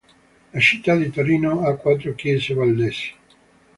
La città di Torino ha quattro chiese valdesi.